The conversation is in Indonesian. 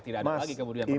tidak ada lagi kemudian